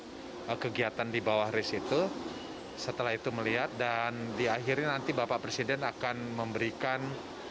coba kegiatan di bawah risetew setelah itu melihat dan di akhirin nanti bapak presiden akan memberikan